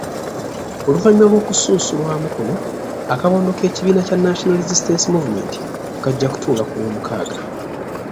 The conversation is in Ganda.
Oluvannyuma lw’okusunsulwamu kuno, akabondo k’ekibiina kya National Resistance Movement kajja kutuula ku Lwomukaaga.